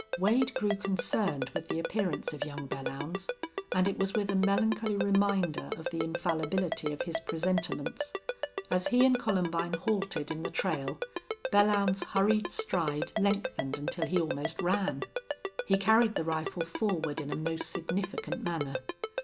Wade grew concerned with the appearance of young Belllounds, and it was with a melancholy reminder of the infallibility of his presentiments. As he and Columbine halted in the trail, Belllounds's hurried stride lengthened until he almost ran. He carried the rifle forward in a most significant manner.